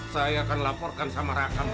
saya akan laporkan sama rakyat